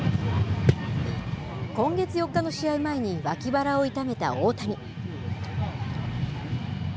今月４日の試合前に脇腹を痛めた大谷。